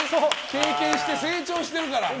経験して成長してるから。